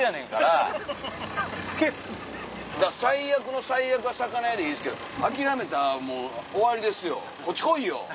最悪の最悪は魚屋でいいですけど諦めたらもう終わりですよ。